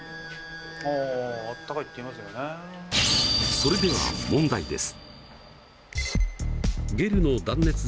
それでは問題です。